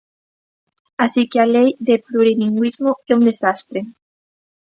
Así que a Lei de plurilingüismo é un desastre.